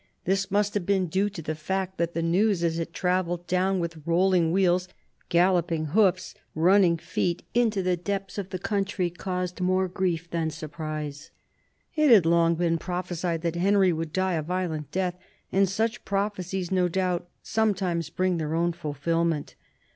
This may have been due to the fact that the news, as it travelled down with rolling wheels, galloping hoofs, running feet, into the depths of the country, caused more grief than surprise. It had long been prophesied that Henry would die a violent death, and such prophecies, no doubt, sometimes bring their own fulfilment.